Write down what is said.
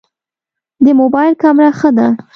د موبایل کمره ښه ده؟